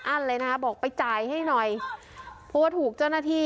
เลยนะคะบอกไปจ่ายให้หน่อยเพราะว่าถูกเจ้าหน้าที่